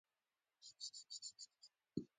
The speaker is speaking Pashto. د سلب ډیزاین د ساختماني چارو یوه مهمه برخه ده